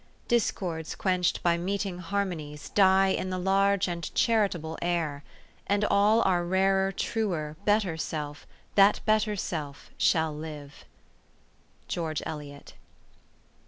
" Discords quenched by meeting harmonies Die in the large and charitable air ; And all our rarer, truer, better self That better self shall live." GEORGE ELIOT.